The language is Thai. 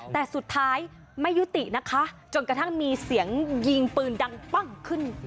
แต่สุดท้ายไม่ยุตินะคะจนกระทั่งมีเสียงยิงปืนดังปั้งขึ้น